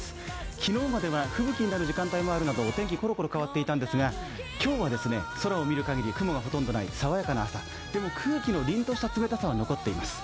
昨日までは吹雪になる時間帯もあるなどお天気、コロコロ変わっていたんですが今日は空を見るかぎり雲がほとんどない爽やかな朝、でも空気の凛としたところは残っています。